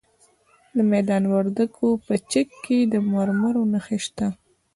د میدان وردګو په چک کې د مرمرو نښې شته.